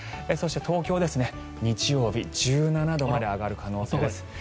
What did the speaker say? そして東京ですね、日曜日１７度まで上がる可能性です。